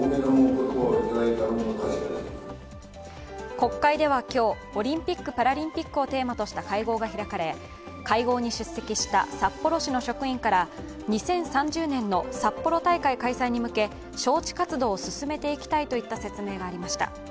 国会ではオリンピック・パラリンピックをテーマとした会合が開かれ、会合に出席した札幌市の職員から２０３０年の札幌大会開催に向け招致活動を進めていきたいといった説明がありました。